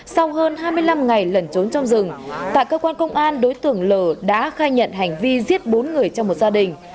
sau hơn hai mươi năm ngày lẩn trốn trong rừng tại cơ quan công an đối tượng l đã khai nhận hành vi giết bốn người trong một gia đình